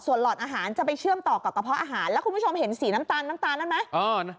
หลอดอาหารจะไปเชื่อมต่อกับกระเพาะอาหารแล้วคุณผู้ชมเห็นสีน้ำตาลน้ำตาลนั้นไหม